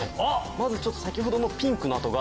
まずちょっと先ほどのピンクの跡が。